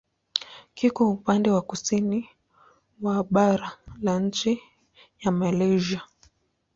Kiko upande wa kusini wa bara la nchi ya Malaysia.